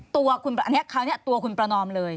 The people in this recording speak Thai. ข้าวนี้คือตัวคุณประนอมเลย